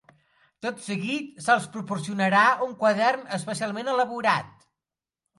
Tot seguit se'ls proporcionarà un quadern especialment elaborat.